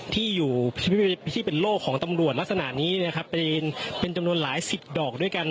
ที่เป็นโลกของตำรวจลักษณะนี้นะครับเป็นจำนวนหลายสิบดอกด้วยกัน